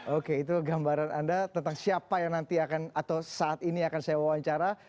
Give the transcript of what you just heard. oke itu gambaran anda tentang siapa yang nanti akan atau saat ini akan saya wawancara